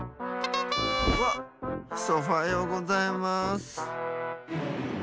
わっソファようございます！